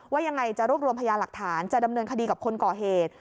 ว่ายังไงจะรวบรวมพยาหลักฐานจะดำเนินคดีกับคนก่อเหตุ